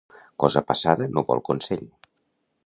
Cosa passada no vol consell.